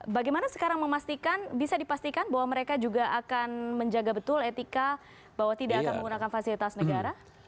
bagaimana sekarang memastikan bisa dipastikan bahwa mereka juga akan menjaga betul etika bahwa tidak akan menggunakan fasilitas negara